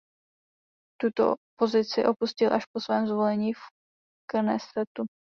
Tuto pozici opustil až po svém zvolení do Knesetu.